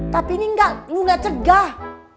tapi ini lu gak cegah